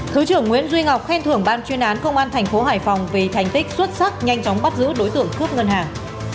thứ trưởng nguyễn duy ngọc khen thưởng ban chuyên án công an thành phố hải phòng vì thành tích xuất sắc nhanh chóng bắt giữ đối tượng cướp ngân hàng